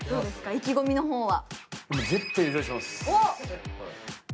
意気込みの方は。